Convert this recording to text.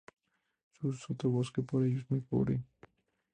Su sotobosque por ello es muy pobre.